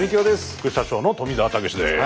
副社長の富澤たけしです。